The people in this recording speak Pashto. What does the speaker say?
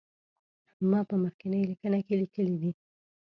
ما په مخکینی لیکنه کې لیکلي دي.